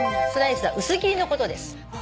スライスは薄切りのことです。